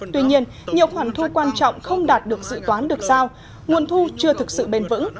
tuy nhiên nhiều khoản thu quan trọng không đạt được dự toán được giao nguồn thu chưa thực sự bền vững